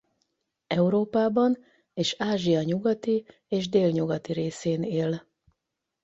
Európában és Ázsia nyugati és délnyugati részén él.